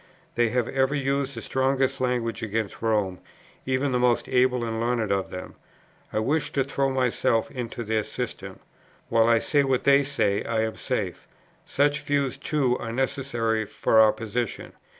They have ever used the strongest language against Rome, even the most able and learned of them. I wish to throw myself into their system. While I say what they say, I am safe. Such views, too, are necessary for our position.'